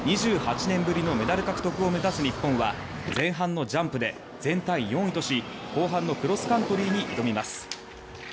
２８年ぶりのメダル獲得を目指す日本は前半のジャンプで全体４位とし後半のクロスカントリーに挑みます。